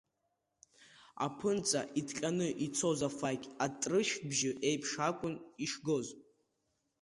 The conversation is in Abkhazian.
Аԥынҵа иҭҟьаны ицоз афақь атрышәбжьы еиԥш акәын ишгоз.